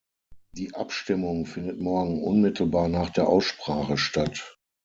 Die Abstimmung findet morgen unmittelbar nach der Aussprache statt.